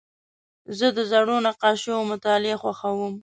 زه د زړو نقاشیو مطالعه خوښوم.